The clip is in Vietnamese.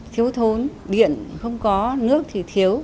thiếu thốn điện không có nước thì thiếu